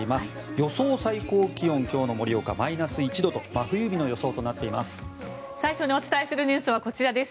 予想最高気温、今日の盛岡マイナス１度と真冬日の予想となっています。